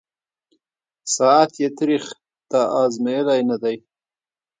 ساعت یې تریخ » تا آزمېیلی نه دی